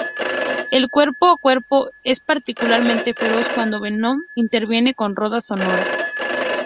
El cuerpo a cuerpo es particularmente feroz cuando Venom interviene con rondas sonoras.